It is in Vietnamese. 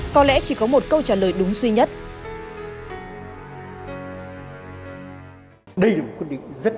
có lẽ chỉ có một câu trả lời đúng duy nhất